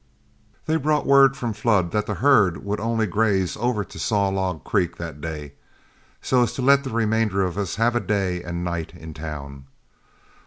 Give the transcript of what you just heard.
They brought word from Flood that the herd would only graze over to Saw Log Creek that day, so as to let the remainder of us have a day and night in town.